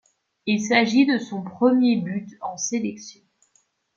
Il s'agit de son premier but en sélection.